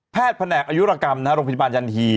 แพทย์แผนกอายุระกรรมนะฮะโรงพิจารณ์ยันถี